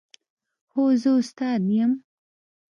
هو، زه استاد یم